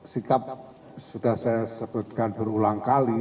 sikap sudah saya sebutkan berulang kali